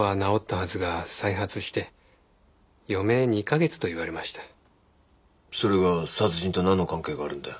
それが殺人となんの関係があるんだよ？